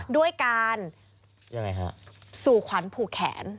ด้วยการสู่ขวัญผูกแขน